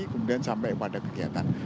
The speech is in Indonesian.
kemudian sampai pada kegiatan